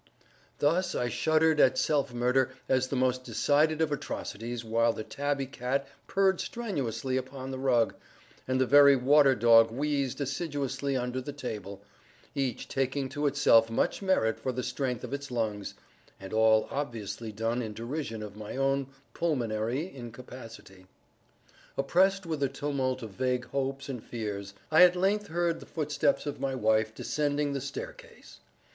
Thus I shuddered at self murder as the most decided of atrocities while the tabby cat purred strenuously upon the rug, and the very water dog wheezed assiduously under the table, each taking to itself much merit for the strength of its lungs, and all obviously done in derision of my own pulmonary incapacity. Oppressed with a tumult of vague hopes and fears, I at length heard the footsteps of my wife descending the staircase.